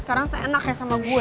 sekarang seenak ya sama gue